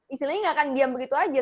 istilahnya nggak akan diam begitu aja